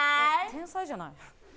天才じゃない？